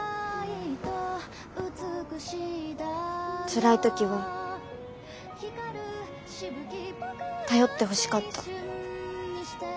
つらい時は頼ってほしかった。